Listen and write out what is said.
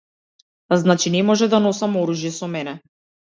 Значи не може да носам оружје со мене.